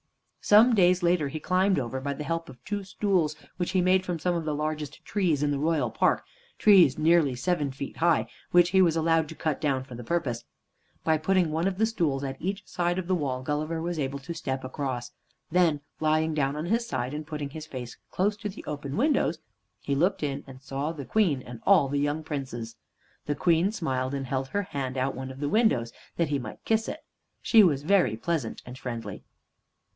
Some days later he climbed over by the help of two stools which he made from some of the largest trees in the Royal Park, trees nearly seven feet high, which he was allowed to cut down for the purpose. By putting one of the stools at each side of the wall Gulliver was able to step across. Then, lying down on his side, and putting his face close to the open windows, he looked in and saw the Queen and all the young Princes. The Queen smiled, and held her hand out of one of the windows, that he might kiss it. She was very pleasant and friendly.